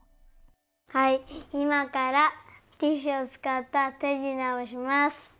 はい今からティッシュを使った手品をします。